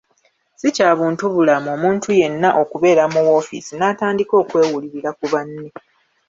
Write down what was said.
Si kya buntubulamu omuntu yenna okubeera mu woofiisi n’atandika okwewulirira ku banne.